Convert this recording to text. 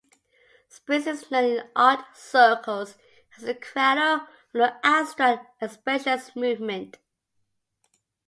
Springs is known in art circles as the cradle of the abstract expressionist movement.